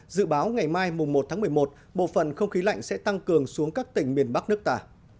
dự báo ngày mai một tháng một mươi một bộ phận không khí lạnh sẽ tăng cường xuống các tỉnh miền bắc nước ta